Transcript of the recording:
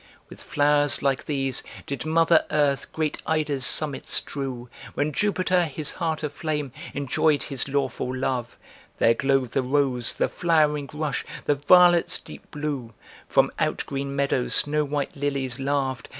With flowers like these did Mother Earth great Ida's summit strew When Jupiter, his heart aflame, enjoyed his lawful love; There glowed the rose, the flowering rush, the violet's deep blue, From out green meadows snow white lilies laughed.